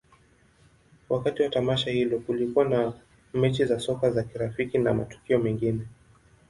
Wakati wa tamasha hilo, kulikuwa na mechi za soka za kirafiki na matukio mengine.